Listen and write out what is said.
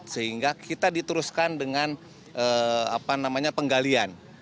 sehingga kita diteruskan dengan penggalian